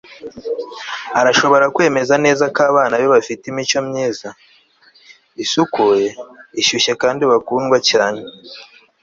arashobora kwemeza neza ko abana be bafite imico myiza, isukuye, ishyushye kandi bakundwa cyane